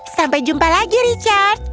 sampai jumpa lagi richard